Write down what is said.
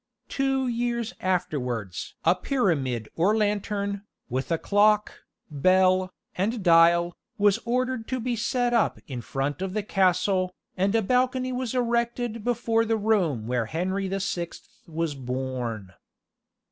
Two years after wards "a pyramid or lantern," with a clock, hell, and dial, was ordered to be set up in front of the castle, and a balcony was erected before the room where Henry the Sixth was born.